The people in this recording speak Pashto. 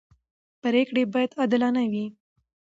پرېکړې باید عادلانه وي